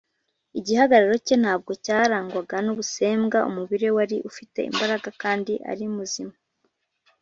Igihagararo cye ntabwo cyarangwaga n’ubusembwa; Umubiri we wari ufite imbaraga kandi ari muzima